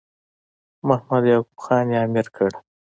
محمد یعقوب خان یې امیر کړ.